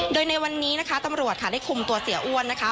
โดยในวันนี้นะคะตำรวจค่ะได้คุมตัวเสียอ้วนนะคะ